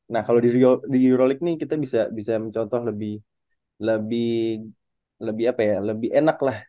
nah kalau di eurolik nih kita bisa mencontoh lebih enak lah